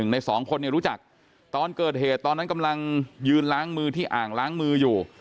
ในสองคนเนี่ยรู้จักตอนเกิดเหตุตอนนั้นกำลังยืนล้างมือที่อ่างล้างมืออยู่